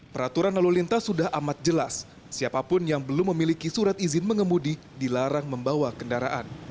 peraturan lalu lintas sudah amat jelas siapapun yang belum memiliki surat izin mengemudi dilarang membawa kendaraan